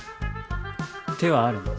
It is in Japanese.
手はあるね。